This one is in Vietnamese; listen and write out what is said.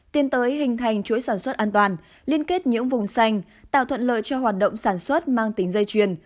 tiến tới hình thành chuỗi sản xuất an toàn liên kết những vùng xanh tạo thuận lợi cho hoạt động sản xuất mang tính dây chuyền